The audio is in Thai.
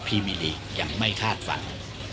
ก็พรีมีลลีกอย่างไม่คาดฝัง